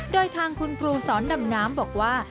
โดยทางคุณครูสอนดำน้ำบอกว่า